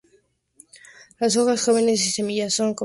Las hojas jóvenes y las semillas son comestibles.